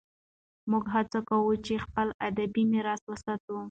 موږ هڅه کوو چې خپل ادبي میراث وساتو.